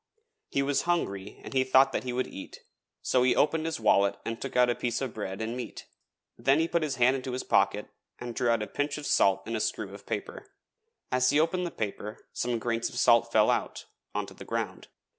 He was hungry and he thought he would eat, so he opened his wallet and took out a piece of bread and meat, then he put his hand into his pocket and drew out a pinch of salt in a screw of paper. As he opened the paper some grains of salt fell out, on to the ground.